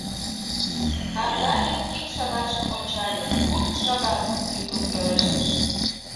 Кандалин кид шагатшым ончале: — Куд шагат! — йӱкын пелештыш.